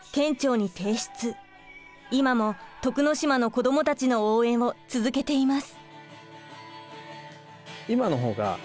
今も徳之島の子供たちの応援を続けています。